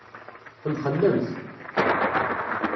Temxellemt.